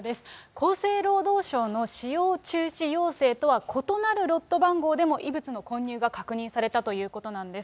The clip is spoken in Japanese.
厚生労働省の使用中止要請とは異なるロット番号でも異物の混入が確認されたということなんです。